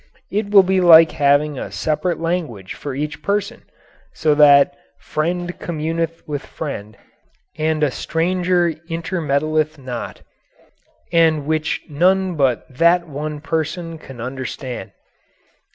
It will be like having a separate language for each person, so that "friend communeth with friend, and a stranger intermeddleth not " and which none but that one person can understand.